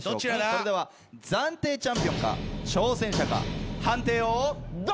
それでは暫定チャンピオンか挑戦者か判定をどうぞ！